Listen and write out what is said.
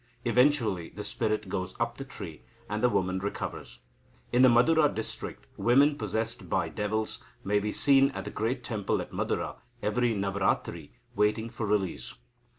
Eventually the spirit goes up the tree, and the woman recovers. In the Madura district, women possessed by devils may be seen at the great temple at Madura every Navaratri, waiting for release.